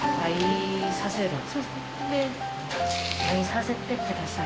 見させてください。